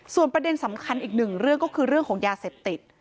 ส่วนประเด็นสำคัญอีกหนึ่งเรื่องก็คือเรื่องของยาเสพติด